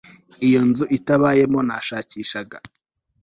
Iyo nzu itabayemo Nashakishaga